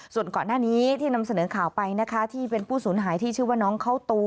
ส่วนก่อนหน้านี้ที่นำเสนอข่าวไปนะคะที่เป็นผู้สูญหายที่ชื่อว่าน้องเข้าตู